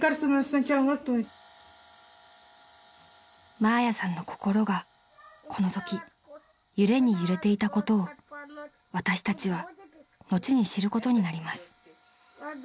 ［マーヤさんの心がこのとき揺れに揺れていたことを私たちは後に知ることになります］